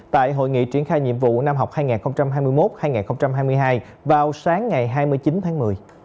tại hội nghị triển khai nhiệm vụ năm học hai nghìn hai mươi một hai nghìn hai mươi hai vào sáng ngày hai mươi chín tháng một mươi